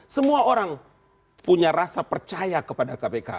semua orang punya rasa percaya kepada kpk